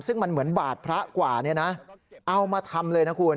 ซึ่งมันเหมือนบาทพระกว่าเอามาทำเลยนะคุณ